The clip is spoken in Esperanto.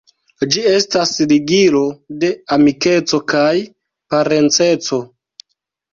Ĝi estas ligilo de amikeco kaj parenceco.